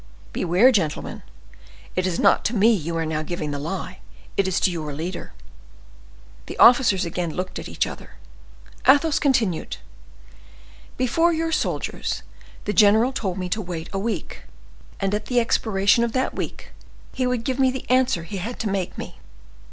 "Beware, gentlemen; it is not to me you are now giving the lie, it is to your leader." The officers again looked at each other. Athos continued: "Before your soldiers the general told me to wait a week, and at the expiration of that week he would give me the answer he had to make me.